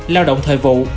lao động thời vụ